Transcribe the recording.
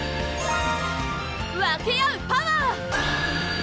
分け合うパワー！